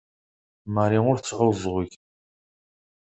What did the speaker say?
Marie ur tesɛuẓẓug.